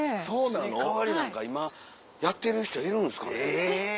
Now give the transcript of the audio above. スイカ割りなんか今やってる人いるんですかね？